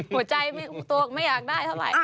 หัวใจตัวไม่อยากได้เท่าไหร่